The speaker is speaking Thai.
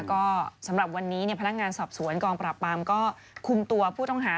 ก็สำหรับวันนี้พนักงานสอบสวนกองปราบปรามก็คุมตัวผู้ต้องหา